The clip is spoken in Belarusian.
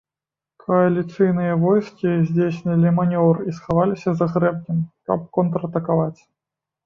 Кааліцыйныя войскі здзейснілі манеўр і схаваліся за грэбнем, каб контратакаваць.